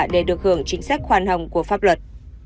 để được hưởng chính sách khoan hồng của pháp luật